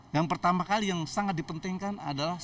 yang pertama kali yang sangat dipentingkan adalah